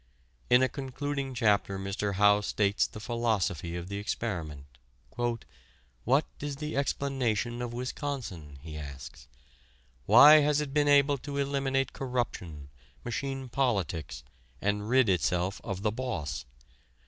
In a concluding chapter Mr. Howe states the philosophy of the experiment. "What is the explanation of Wisconsin?" he asks. "Why has it been able to eliminate corruption, machine politics, and rid itself of the boss?